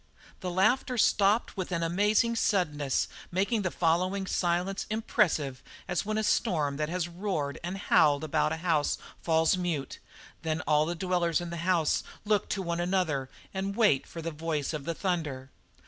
The laughter stopped with an amazing suddenness making the following silence impressive as when a storm that has roared and howled about a house falls mute, then all the dwellers in the house look to one another and wait for the voice of the thunder.